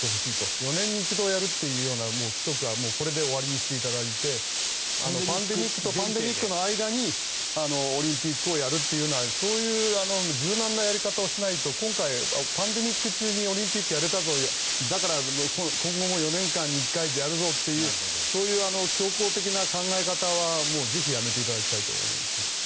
４年に一度やるという規則はもうこれで終わりにしていただいてパンデミックとパンデミックの間にオリンピックをやるっていうようなそういう柔軟なやり方をしないと今回、パンデミック中にオリンピックやれたぞだから今後も４年間に一回やるぞっていうそういう強硬的な考え方はぜひやめていただきたいと思います。